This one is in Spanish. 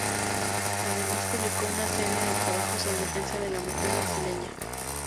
Además publicó una serie de trabajos en defensa de la mujer brasileña.